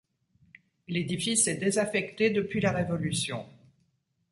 L'édifice est désaffecté depuis la Révolution.